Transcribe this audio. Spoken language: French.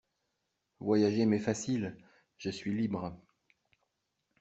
Voyager m'est facile … je suis libre.